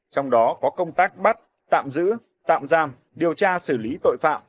trong đó có công tác bắt tạm giữ tạm giam điều tra xử lý tội phạm